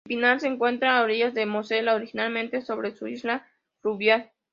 Épinal se encuentra a orillas del Mosela, originariamente sobre una isla fluvial.